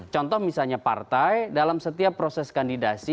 contoh misalnya partai dalam setiap proses kandidasi